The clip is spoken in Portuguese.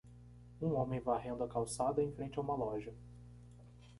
Um homem varrendo a calçada em frente a uma loja.